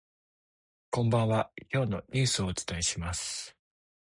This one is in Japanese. こんばんは、今日のニュースをお伝えします。